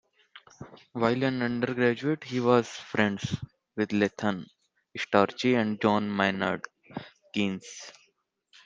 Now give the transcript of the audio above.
While an undergraduate he was friends with Lytton Strachey and John Maynard Keynes.